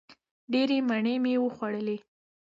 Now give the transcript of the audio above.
ډېرې مڼې مې وخوړلې!